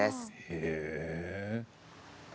へえ！